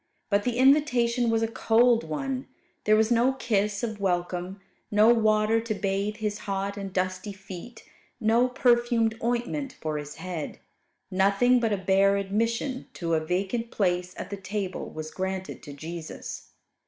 But the invitation was a cold one. There was no kiss of welcome, no water to bathe His hot and dusty feet, no perfumed ointment for His head: nothing but a bare admission to a vacant place at the table was granted to Jesus.